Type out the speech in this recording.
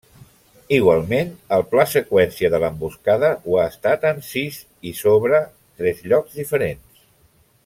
Igualment, el pla-seqüència de l'emboscada ho ha estat en sis i sobre tres llocs diferents.